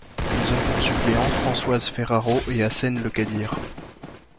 Ils ont pour suppléants Françoise Ferraro et Hacène Lekadir.